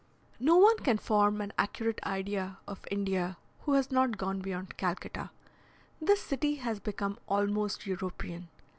No one can form an accurate idea of India who has not gone beyond Calcutta. This city has become almost European.